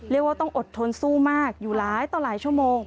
เรียกว่าต้องอดทนสู้มากอยู่หลายต่อหลายชั่วโมง